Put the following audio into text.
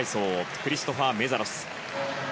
クリストファー・メザロス。